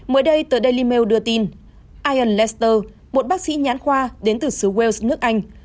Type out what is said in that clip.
mới đây tờ daily mail đưa tin ion lester một bác sĩ nhãn khoa đến từ xứ wales nước anh